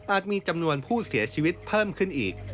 มีจำนวนผู้เสียชีวิตเพิ่มขึ้นอีก